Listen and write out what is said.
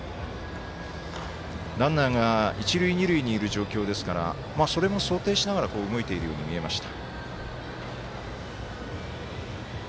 ランナーが一塁二塁にいる状況ですからそれも想定しながら動いているように見えました。